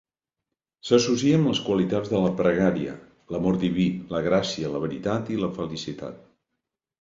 S'associa amb les qualitats de la pregària, l'amor diví, la gràcia, la veritat i la felicitat.